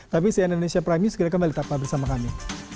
tapi si indonesia prime news segera kembali tetaplah bersama kami